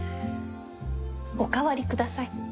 お代わりください。